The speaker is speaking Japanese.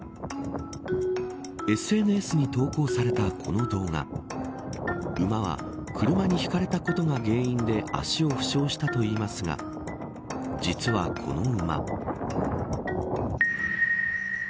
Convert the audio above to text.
ＳＮＳに投稿されたこの動画馬は車にひかれたことが原因で足を負傷したといいますが実はこの馬。